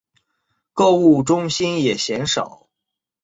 购物中心也鲜少。